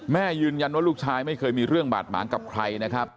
ยืนยันว่าลูกชายไม่เคยมีเรื่องบาดหมางกับใครนะครับ